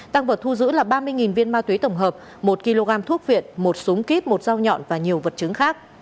tăng vật thu giữ là ba mươi viên ma túy tổng hợp một kg thuốc viện một súng kíp một dao nhọn và nhiều vật chứng khác